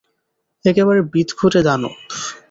একেবারে বিদ্ঘুটে দানব।